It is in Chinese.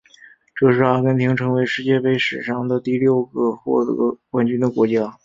这是阿根廷成为世界杯史上的第六个获得冠军的国家。